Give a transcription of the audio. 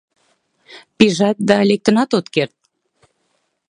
Пижат да лектынат от керт.